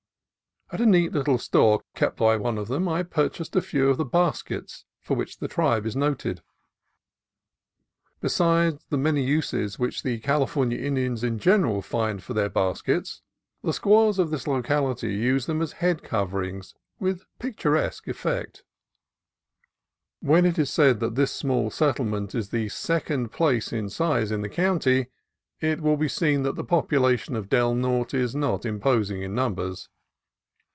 At a neat little store kept by one of them, I purchased a few of the baskets for which the tribe is noted. Beside the many uses which the California Indians in general find for their baskets, the squaws of this locality use them as head coverings, with picturesque effect. When it is said that this small settlement is the second place in size in the county, it will be seen that the population of Del Norte is not imposing in numbers.